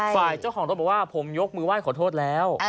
ฝ่ายเจ้าของรถบอกว่าผมยกมือไหว้ขอโทษแล้ว